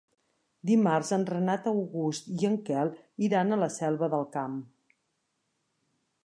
Dimarts en Renat August i en Quel iran a la Selva del Camp.